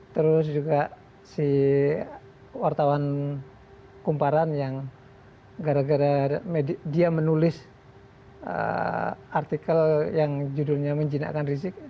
terus juga si wartawan kumparan yang gara gara dia menulis artikel yang judulnya menjinakkan rizik